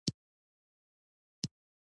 چین اقتصادي بدلونونه ادامه لري.